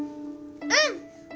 うん！